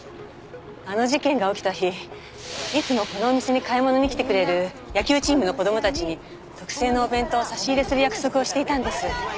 あの事件が起きた日いつもこのお店に買い物に来てくれる野球チームの子供たちに特製のお弁当を差し入れする約束をしていたんです。